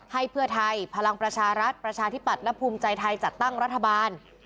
ให้เพื่อไทยพลังประชารัฐประชาธิปัตย์และภูมิใจไทยจัดตั้งรัฐบาล